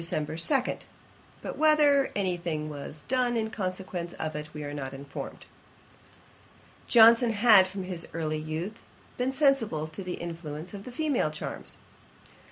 2.' But whether any thing was done in consequence of it we are not informed. Johnson had, from his early youth, been sensible to the influence of female charms.